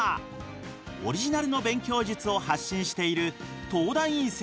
オリジナルの勉強術を発信している東大院